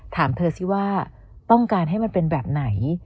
ถามเธอสิว่าต้องการให้มันเป็นแบบไหน